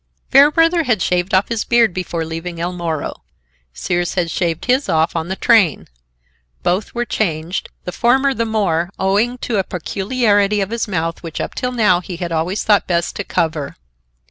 Fairbrother had shaved off his beard before leaving El Moro. Sears had shaved his off on the train. Both were changed, the former the more, owing to a peculiarity of his mouth which up till now he had always thought best to cover.